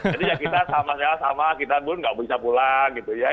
jadi ya kita sama sama kita pun tidak bisa pulang gitu ya